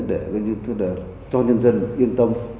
để cho nhân dân yên tâm